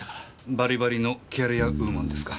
バリバリのキャリアウーマンですか？